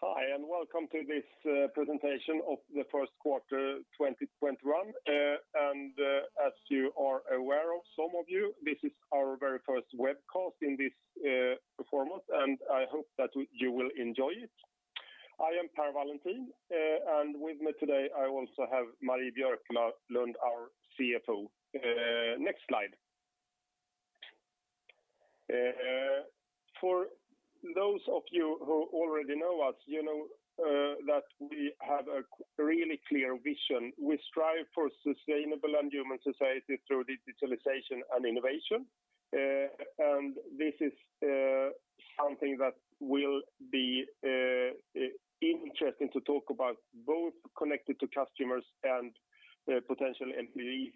Hi, welcome to this presentation of the first quarter 2021. As you are aware, some of you, this is our very first webcast in this format, and I hope that you will enjoy it. I am Per Wallentin, and with me today I also have Marie Björklund, our CFO. Next slide. For those of you who already know us, you know that we have a really clear vision. We strive for sustainable and human society through digitalization and innovation. This is something that will be interesting to talk about, both connected to customers and potential employees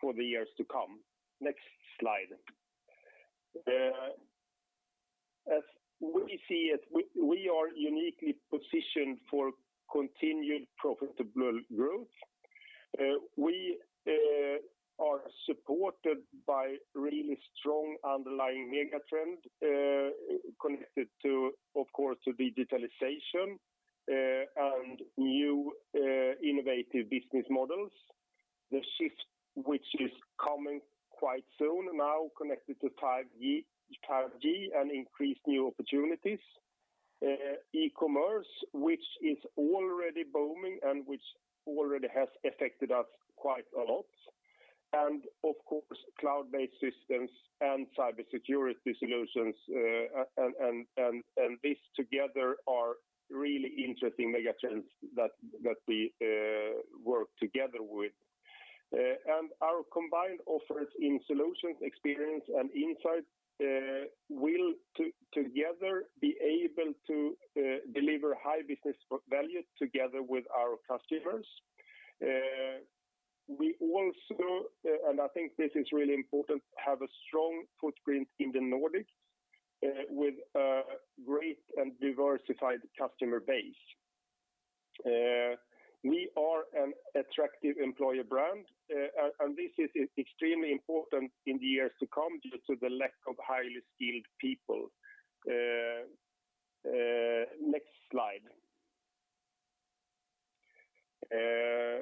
for the years to come. Next slide. As we see it, we are uniquely positioned for continued profitable growth. We are supported by really strong underlying megatrend, connected to, of course, digitalization and new innovative business models. The shift which is coming quite soon now connected to 5G and increased new opportunities. E-commerce, which is already booming and which already has affected us quite a lot, and of course, cloud-based systems and cybersecurity solutions. These together are really interesting mega trends that we work together with. Our combined offers in Solutions, Experience, and Insight will together be able to deliver high business value together with our customers. We also, and I think this is really important, have a strong footprint in the Nordics with a great and diversified customer base. We are an attractive employer brand, and this is extremely important in the years to come due to the lack of highly skilled people. Next slide. As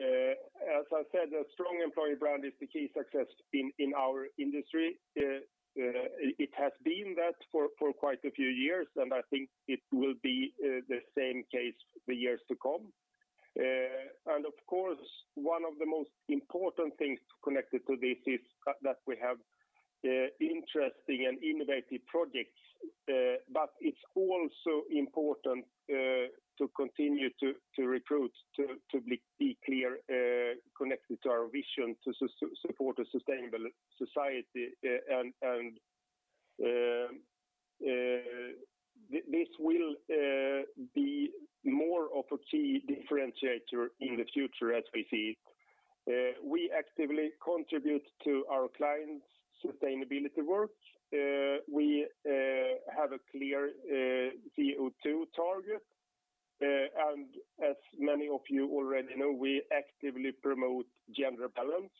I said, a strong employer brand is the key success in our industry. It has been that for quite a few years. I think it will be the same case for years to come. Of course, one of the most important things connected to this is that we have interesting and innovative projects. It's also important to continue to recruit, to be clear, connected to our vision to support a sustainable society, and this will be more of a key differentiator in the future as we see it. We actively contribute to our clients' sustainability work. We have a clear CO2 target. As many of you already know, we actively promote gender balance.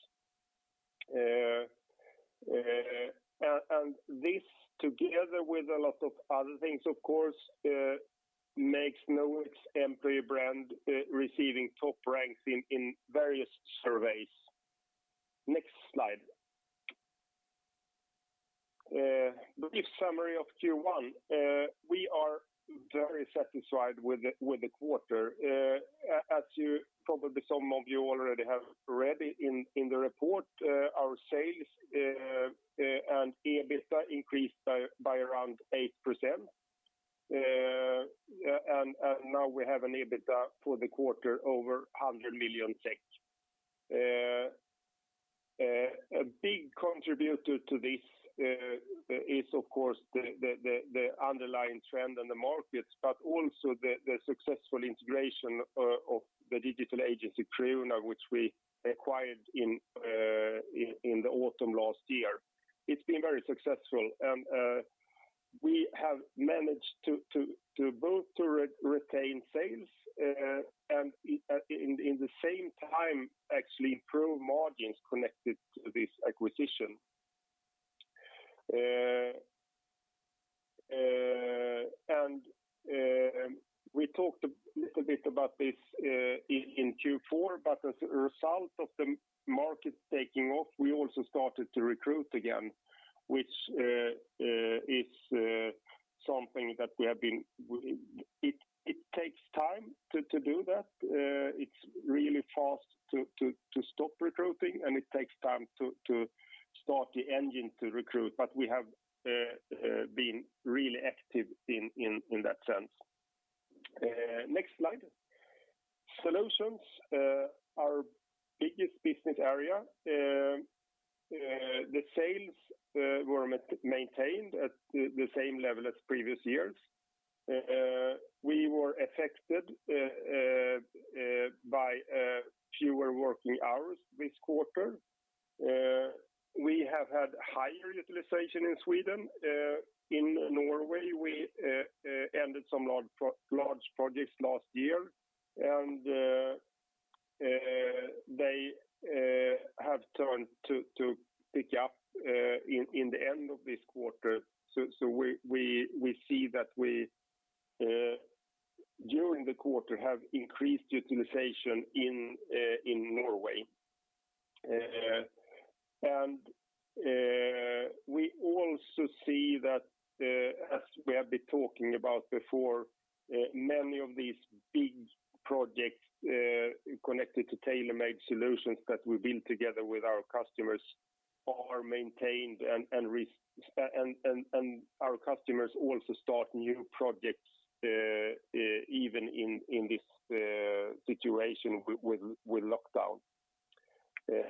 This together with a lot of other things, of course, makes Knowit's employee brand receiving top ranks in various surveys. Next slide. Brief summary of Q1. We are very satisfied with the quarter. As probably some of you already have read in the report, our sales and EBITA increased by around 8%. Now we have an EBITDA for the quarter over 100 million. A big contributor to this is, of course, the underlying trend in the markets, but also the successful integration of the digital agency Creuna, which we acquired in the autumn last year. It's been very successful. We have managed both to retain sales and in the same time actually improve margins connected to this acquisition. We talked a little bit about this in Q4, but as a result of the market taking off, we also started to recruit again. It takes time to do that. It's really fast to stop recruiting, and it takes time to start the engine to recruit, but we have been really active in that sense. Next slide. Solutions, our biggest business area. The sales were maintained at the same level as previous years. We were affected by fewer working hours this quarter. We have had higher utilization in Sweden. In Norway, we ended some large projects last year. They have turned to pick up in the end of this quarter. We see that we, during the quarter, have increased utilization in Norway. We also see that, as we have been talking about before, many of these big projects connected to tailor-made solutions that we've been together with our customers are maintained and our customers also start new projects even in this situation with lockdown.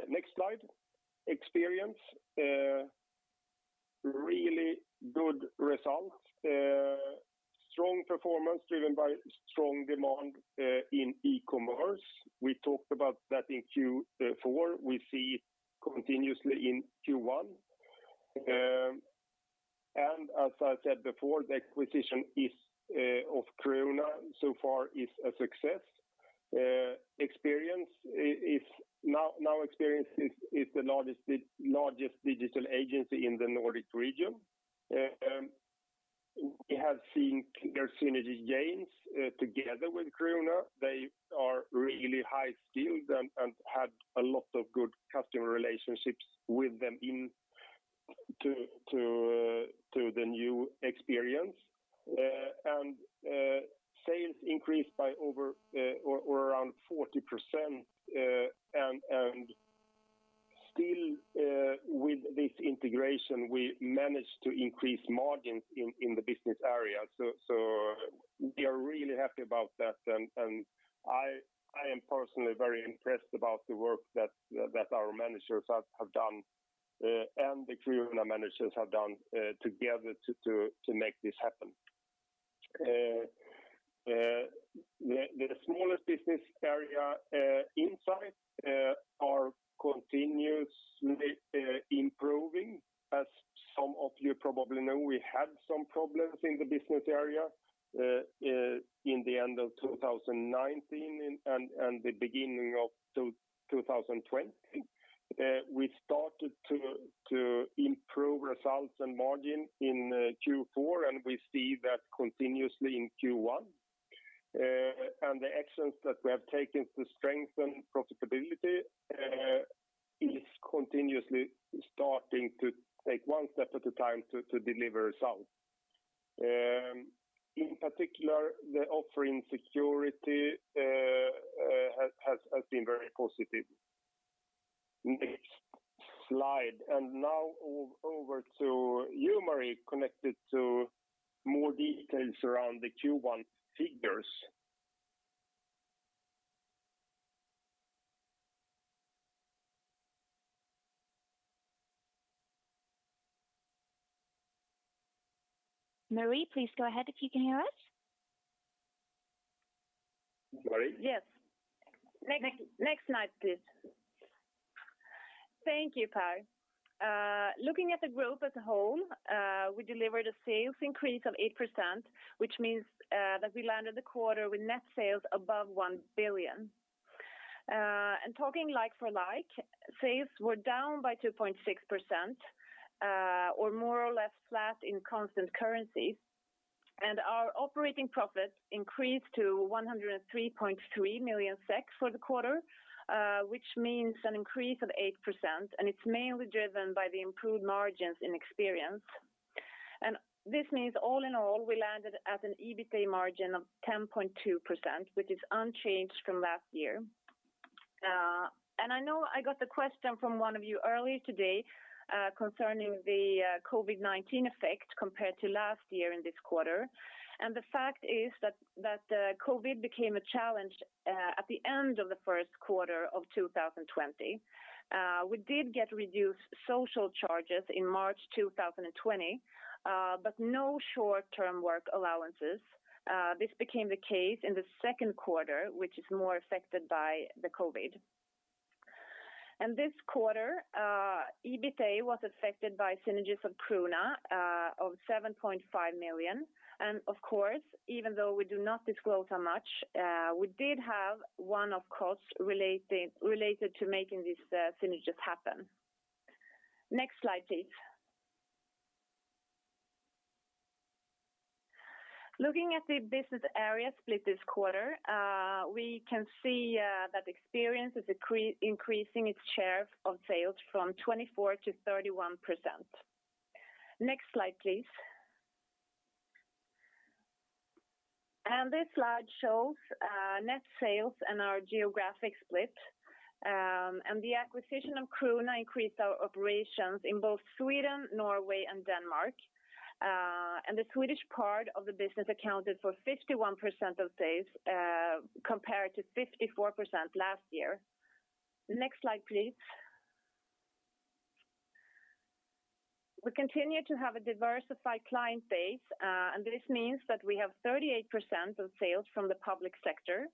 Next slide. Experience. Really good results. Strong performance driven by strong demand in e-commerce. We talked about that in Q4. We see continuously in Q1. As I said before, the acquisition of Creuna so far is a success. Experience is the largest digital agency in the Nordic region. We have seen their synergy gains together with Creuna. They are really high skilled and had a lot of good customer relationships with them into the new Experience. Sales increased by over or around 40%. Still with this integration, we managed to increase margins in the business area. We are really happy about that, and I am personally very impressed about the work that our managers have done and the Creuna managers have done together to make this happen. The smallest business area Insight are continuously improving. As some of you probably know, we had some problems in the business area in the end of 2019 and the beginning of 2020. We started to improve results and margin in Q4. We see that continuously in Q1. The actions that we have taken to strengthen profitability is continuously starting to take one step at a time to deliver results. In particular, the offering security has been very positive. Next slide. Now over to you, Marie, connected to more details around the Q1 figures. Marie, please go ahead if you can hear us. Marie? Yes. Next slide, please. Thank you, Per. Looking at the group as a whole, we delivered a sales increase of 8%, which means that we landed the quarter with net sales above 1 billion. Talking like for like, sales were down by 2.6%, or more or less flat in constant currency. Our operating profit increased to 103.3 million SEK for the quarter, which means an increase of 8%, and it is mainly driven by the improved margins in Experience. This means all in all, we landed at an EBITA margin of 10.2%, which is unchanged from last year. I know I got a question from one of you earlier today concerning the COVID-19 effect compared to last year in this quarter. The fact is that COVID became a challenge at the end of the first quarter of 2020. We did get reduced social charges in March 2020, but no short-term work allowances. This became the case in the second quarter, which is more affected by the COVID. This quarter, EBITA was affected by synergies of Creuna of 7.5 million krona. Of course, even though we do not disclose how much, we did have one-off costs related to making these synergies happen. Next slide, please. Looking at the business area split this quarter, we can see that Experience is increasing its share of sales from 24%-31%. Next slide, please. This slide shows net sales and our geographic split. The acquisition of Creuna increased our operations in both Sweden, Norway, and Denmark. The Swedish part of the business accounted for 51% of sales compared to 54% last year. Next slide, please. We continue to have a diversified client base, this means that we have 38% of sales from the public sector.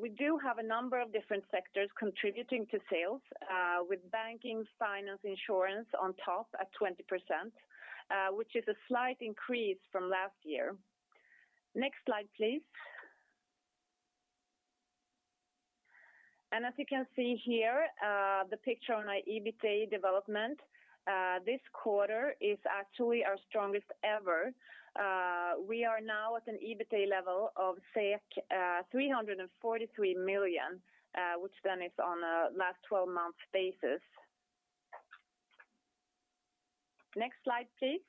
We do have a number of different sectors contributing to sales with banking, finance, insurance on top at 20%, which is a slight increase from last year. Next slide, please. As you can see here, the picture on our EBITA development this quarter is actually our strongest ever. We are now at an EBITA level of 343 million, which then is on a last 12 months basis. Next slide, please.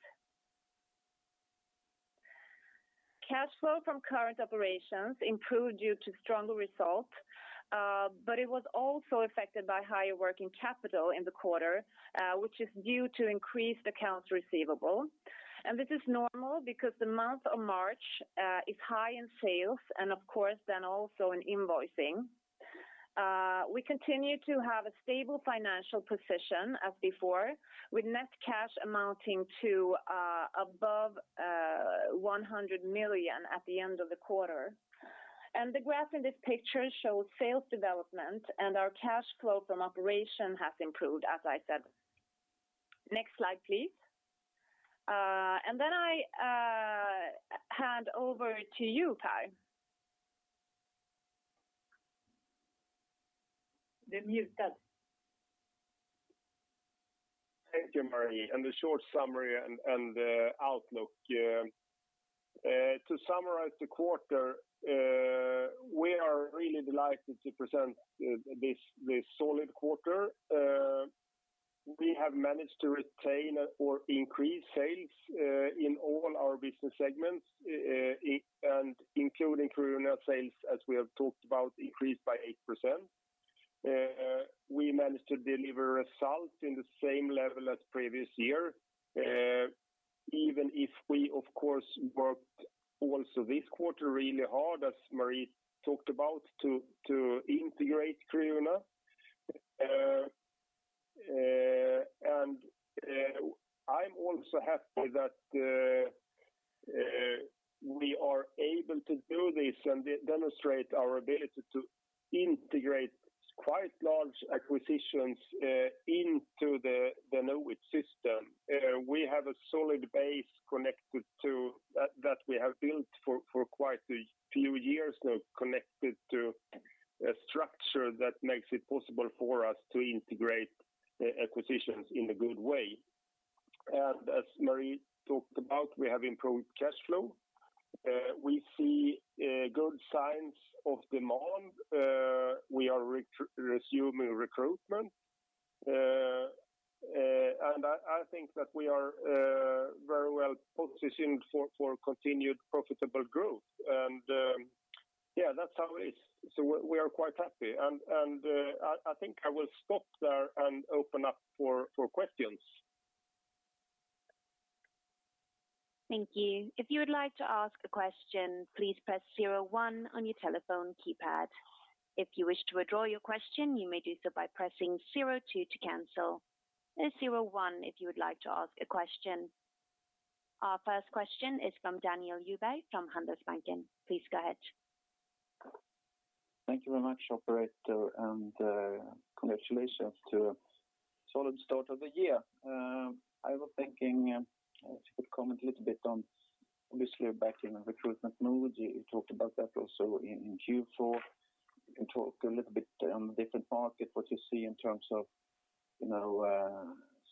Cash flow from current operations improved due to stronger results, but it was also affected by higher working capital in the quarter, which is due to increased accounts receivable. This is normal because the month of March is high in sales and of course then also in invoicing. We continue to have a stable financial position as before, with net cash amounting to above 100 million at the end of the quarter. The graph in this picture shows sales development and our cash flow from operation has improved, as I said. Next slide, please. I hand over to you, Per. You are muted. Thank you, Marie, and the short summary and the outlook. To summarize the quarter, we are really delighted to present this solid quarter. We have managed to retain or increase sales in all our business segments, including Creuna sales, as we have talked about, increased by 8%. We managed to deliver results in the same level as previous year, even if we of course worked also this quarter really hard, as Marie talked about, to integrate Creuna. I'm also happy that we are able to do this and demonstrate our ability to integrate quite large acquisitions into the Knowit system. We have a solid base that we have built for quite a few years now, connected to a structure that makes it possible for us to integrate acquisitions in a good way. As Marie talked about, we have improved cash flow. We see good signs of demand. We are resuming recruitment. I think that we are very well positioned for continued profitable growth. That's how it is. We are quite happy, and I think I will stop there and open up for questions. Thank you. If you would like to ask a question, please press zero one on your telephone keypad. If you wish to withdraw your question, you may do so by pressing zero two to cancel, and zero one if you would like to ask a question. Our first question is from Daniel Djurberg from Handelsbanken. Please go ahead. Thank you very much operator and congratulations to solid start of the year. I was thinking if you could comment a little bit on obviously back in recruitment mode. You talked about that also in Q4. You can talk a little bit on the different market, what you see in terms of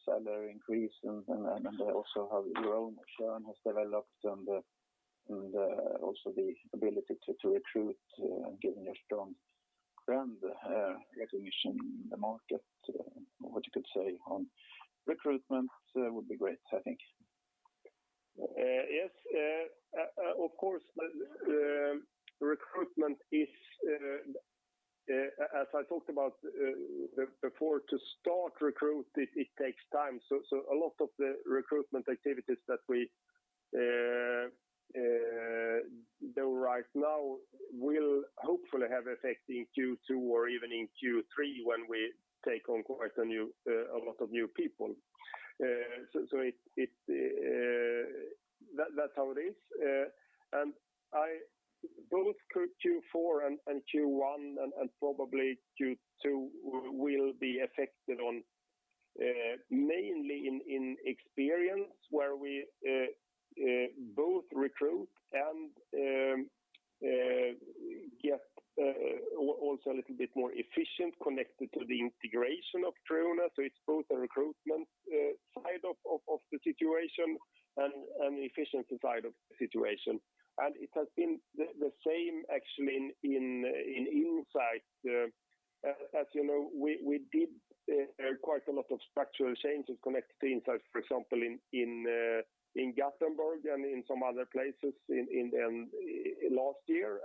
salary increase and then also how your own churn has developed and also the ability to recruit and given your strong brand recognition in the market. What you could say on recruitment would be great, I think. Yes, of course, recruitment is, as I talked about before, to start recruit, it takes time. A lot of the recruitment activities that we do right now will hopefully have effect in Q2 or even in Q3 when we take on quite a lot of new people. That's how it is. Both Q4 and Q1 and probably Q2 will be affected on mainly in Experience where we both recruit and get also a little bit more efficient connected to the integration of Creuna. It's both a recruitment side of the situation and efficiency side of the situation. It has been the same actually in Insight. As you know we did quite a lot of structural changes connected to Insight, for example in Gothenburg and in some other places last year.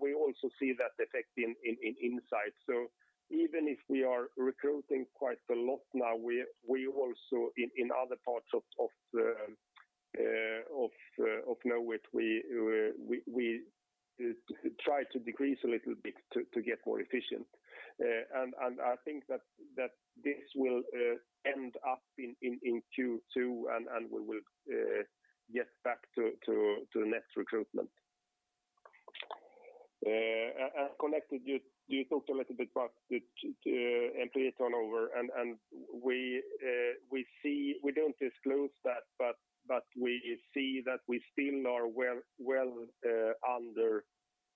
We also see that effect in Insight. Even if we are recruiting quite a lot now, we also in other parts of Knowit, we try to decrease a little bit to get more efficient. I think that this will end up in Q2 and we will get back to the next recruitment. Connected, you talked a little bit about the employee turnover, and we don't disclose that, but we see that we still are well under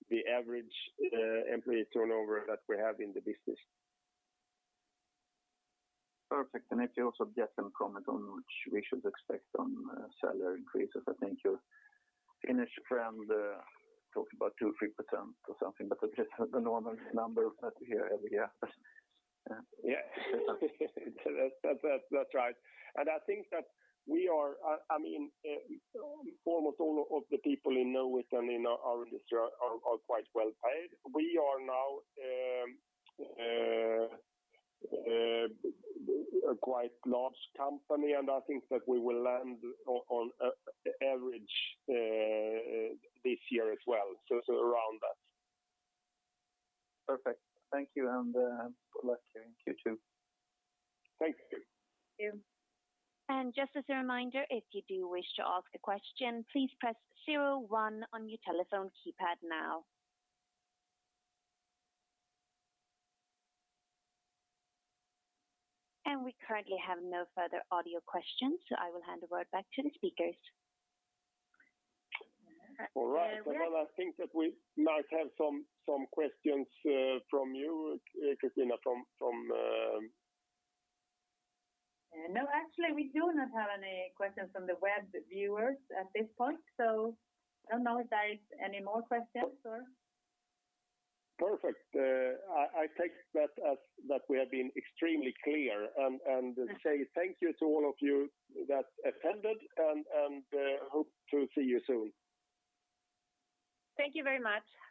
the average employee turnover that we have in the business. Perfect. If you also get some comment on which we should expect on salary increases. I think your Finnish friend talked about 2% or 3% or something, but the normal number that you hear every year. Yeah. That's right. I think that almost all of the people in Knowit and in our industry are quite well paid. We are now a quite large company, and I think that we will land on average this year as well, so around that. Perfect. Thank you and good luck to you too. Thank you. Thank you. We currently have no further audio questions, so I will hand the word back to the speakers. All right. Well, I think that we might have some questions from you, Christina. No, actually we do not have any questions from the web viewers at this point, so I don't know if there is any more questions. Perfect. I take that as that we have been extremely clear and say thank you to all of you that attended, and hope to see you soon. Thank you very much.